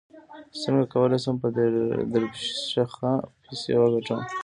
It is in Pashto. څنګه کولی شم په درپشخه پیسې وګټم